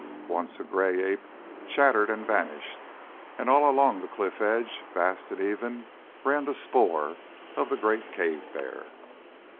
Once a grey ape chattered and vanished, and all along the cliff edge, vast and even, ran the spoor of the great cave bear.